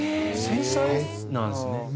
繊細なんですね。